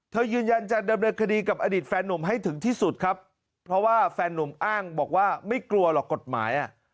ยืนยันจะดำเนินคดีกับอดีตแฟนหนุ่มให้ถึงที่สุดครับเพราะว่าแฟนนุ่มอ้างบอกว่าไม่กลัวหรอกกฎหมายอ่ะ